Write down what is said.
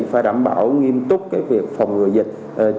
phải đảm bảo nghiêm túc việc phòng người dịch